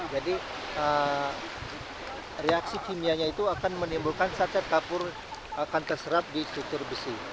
jadi reaksi kimianya itu akan menimbulkan sasat kapur akan terserat di struktur besi